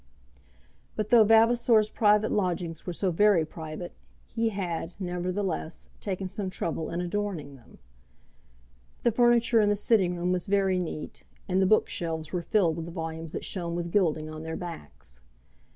But though Vavasor's private lodgings were so very private, he had, nevertheless, taken some trouble in adorning them. The furniture in the sitting room was very neat, and the book shelves were filled with volumes that shone with gilding on their backs.